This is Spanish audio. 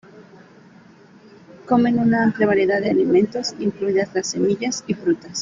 Comen una amplia variedad de alimentos, incluidas las semillas y frutas.